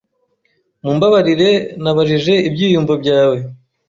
Mumbabarire nababaje ibyiyumvo byawe.